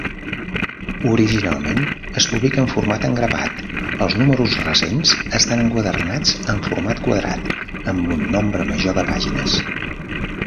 Originalment es publica en format engrapat, els números recents estan enquadernats en format quadrat amb un nombre major de pàgines.